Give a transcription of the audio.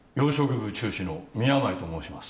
部厨司の宮前と申します